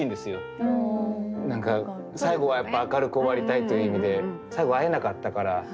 何か最後はやっぱ明るく終わりたいという意味で最後会えなかったから。